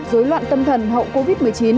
rối loạn tâm thần hậu covid một mươi chín